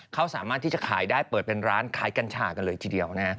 เขาสามารถที่จะขายได้เปิดเป็นร้านขายกัญชากันเลยทีเดียวนะฮะ